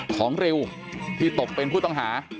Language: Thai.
ของริวที่ตกเป็นผู้ต้องหา